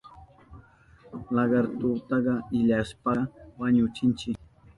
Lagartutaka illapashpa wañuchinchi.